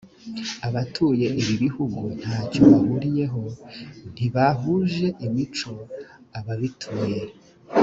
abatuye ibi bihugu ntacyo bahuriyeho ntibahuje imico ababituye